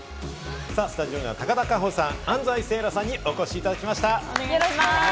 スタジオには高田夏帆さん、安斉星来さんにお越しいただきました。